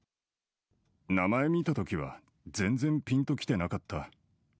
名前見たときは全然ぴんときてなかった。